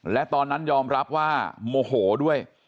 และตอนนั้นยอมรับว่าโมโหด้วย